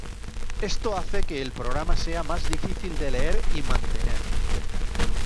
Esto hace que el programa sea más difícil de leer y mantener.